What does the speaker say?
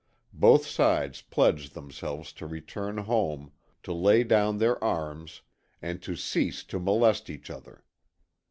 Both sides pledged themselves to return home, to lay down their arms and to cease to molest each other.